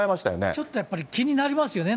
ちょっとやっぱり、気になりますよね。